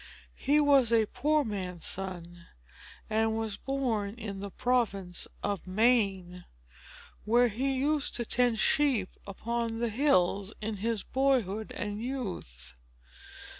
He was a poor man's son, and was born in the province of Maine, where he used to tend sheep upon the hills, in his boyhood and youth.